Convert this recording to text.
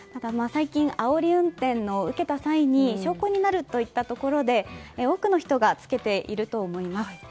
最近あおり運転を受けた際に証拠になるというところで多くの人がつけていると思います。